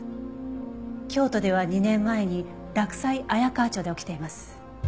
京都では２年前に洛西彩川町で起きています。